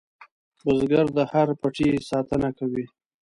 بزګر د هر پټي ساتنه کوي